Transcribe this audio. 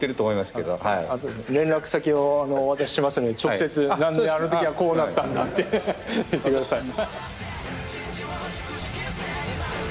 後で連絡先をお渡ししますんで直接「何であの時はこうだったんだ」って言ってください。